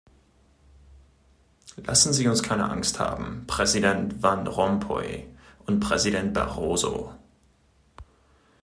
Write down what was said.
Lassen Sie uns keine Angst haben, Präsident van Rompuy und Präsident Barroso.